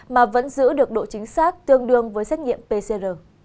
mà vẫn giữ được độ chính xác tương đương với xét nghiệm pcr